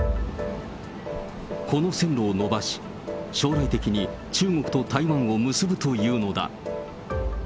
この線路を延ばし、将来的に中国と台湾を結ぶというのだ。